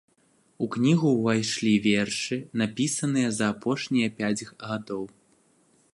У кнігу ўвайшлі вершы, напісаныя за апошнія пяць гадоў.